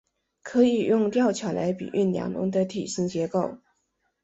可以用吊桥来比喻梁龙的体型结构。